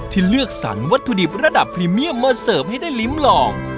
ที่เลือกสรรวัตถุดิบระดับพรีเมียมมาเสิร์ฟให้ได้ลิ้มลอง